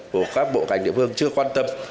của các bộ ngành địa phương chưa quan tâm